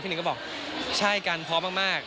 หนึ่งก็บอกใช่กันพร้อมมาก